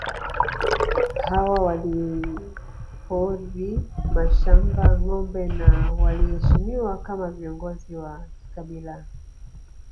Hawa walihodhi mashamba ngombe na waliheshimiwa kama viongozi wa kikabila